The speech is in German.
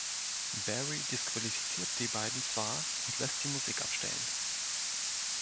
Barry disqualifiziert die beiden zwar und lässt die Musik abstellen.